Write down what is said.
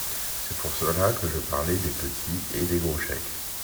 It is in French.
C’est pour cela que je parlais des petits et des gros chèques.